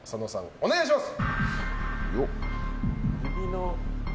お願いします。